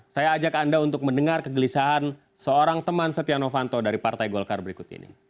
saya ajak anda untuk mendengar kegelisahan seorang teman setia novanto dari partai golkar berikut ini